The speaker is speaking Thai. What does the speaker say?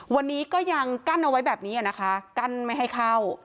วันนี้ก็ยังกั้นเอาไว้แบบนี้นะคะกั้นไม่ให้เข้า